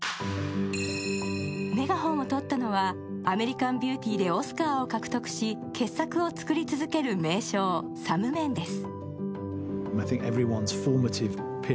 メガホンをとったのは「アメリカン・ビューティー」でオスカーを獲得し傑作を作り続ける名匠サム・メンデス。